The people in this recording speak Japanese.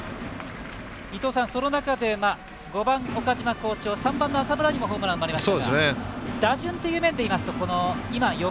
伊東さん、その中で５番浅村、好調３番の浅村にもホームランが生まれました。